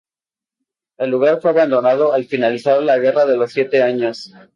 El lugar fue abandonado al finalizar la Guerra de los Siete Años.